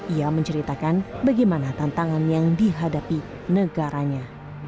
ia menceritakan bagaimana tantangan yang dihadapi negaranya